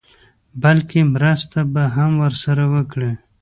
بلکې مرسته به هم ورسره وکړي.